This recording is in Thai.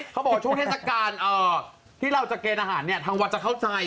เขาบอกช่วงเทศกาลที่เราจะเกณฑ์อาหารเนี่ยทางวัดจะเข้าใจ